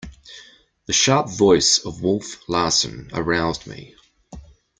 The sharp voice of Wolf Larsen aroused me.